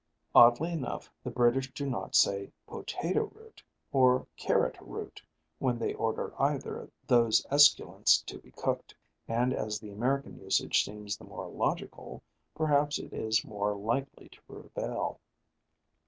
Oddly enough, the British do not say potato root or carrot root when they order either of those esculents to be cooked, and as the American usage seems the more logical, perhaps it is more likely to prevail.